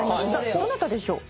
どなたでしょう？